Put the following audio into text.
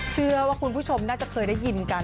เชื่อว่าคุณผู้ชมน่าจะเคยได้ยินกัน